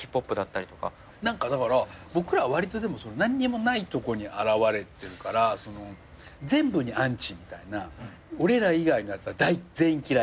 何かだから僕らはわりと何にもないとこに現れてるから全部にアンチみたいな俺ら以外のやつは全員嫌いみたいな。